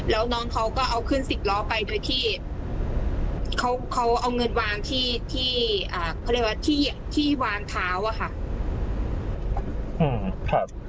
แล้วน้องเขาก็เอาขึ้นสิบล้อไปโดยที่เขาเอาเงินวางที่ที่เขาเรียกว่าที่วางเท้าอะค่ะ